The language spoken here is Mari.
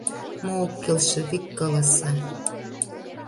Мо ок келше, вик каласа.